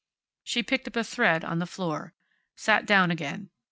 She picked up a thread on the floor. Sat down again.